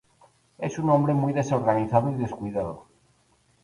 Es un hombre muy desorganizado y descuidado.